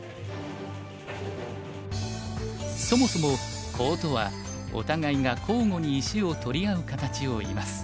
そもそもコウとはお互いが交互に石を取り合う形をいいます。